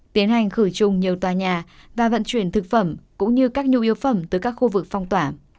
tiến hành khử trùng nhiều tòa nhà và vận chuyển thực phẩm cũng như các nhu yếu phẩm từ các khu vực phong tỏa